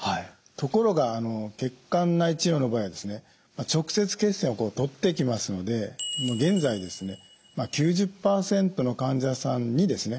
ところが血管内治療の場合はですね直接血栓を取っていきますので現在ですね９０％の患者さんにですね